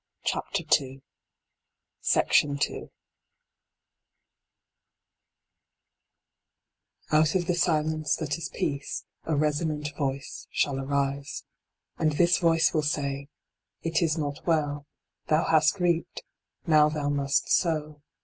A d by Google II OUT of the silence that is peace a resonant voice shall arise. And this voice will say, It is not well ; thou hast reaped, now thou must sow.